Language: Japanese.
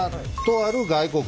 とある外国。